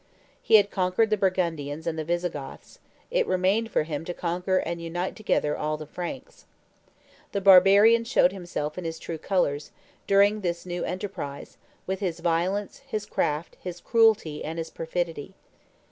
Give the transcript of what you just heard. He had conquered the Burgundians and the Visigoths; it remained for him to conquer and unite together all the Franks. The barbarian showed himself in his true colors, during this new enterprise, with his violence, his craft, his cruelty, and his perfidy.